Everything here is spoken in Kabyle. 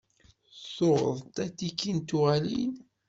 Tuɣeḍ-d atiki n tuɣalin?